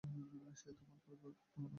সে তোমার পরিবারভুক্ত নয়।